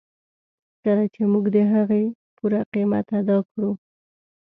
کله چې موږ د هغې پوره قیمت ادا کړو.